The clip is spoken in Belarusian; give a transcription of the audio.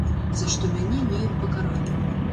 За што мяне неяк пакаралі.